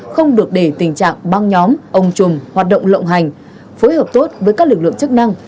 không được để tình trạng băng nhóm ông trùng hoạt động lộng hành phối hợp tốt với các lực lượng chức năng